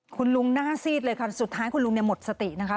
คุณลุงหน้าซีดเลยค่ะสุดท้ายคุณลุงเนี่ยหมดสตินะคะ